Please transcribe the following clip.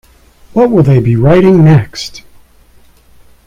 What will they be writing next?